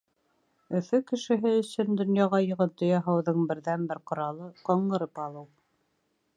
Өфө кешеһе өсөн донъяға йоғонто яһауҙың берҙән-бер ҡоралы — ҡаңғырып алыу.